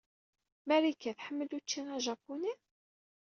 Marika tḥemmel ucci ajapuni?